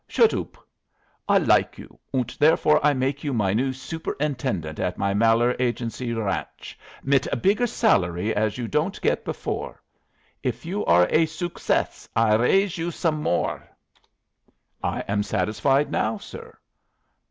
"Shut oop. I like you, und therefore I make you my new sooperintendent at my Malheur Agency r ranch, mit a bigger salary as you don't get before. If you are a sookcess, I r raise you some more." "I am satisfied now, sir."